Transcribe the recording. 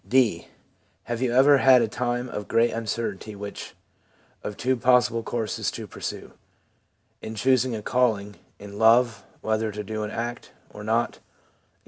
'(d) Have you ever had a time of great uncertainty which of two possible courses to pursue — in choosing a calling, in love, \vhether to do an act or not, etc.?